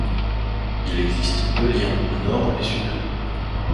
Il existe deux liens, Nord et Sud.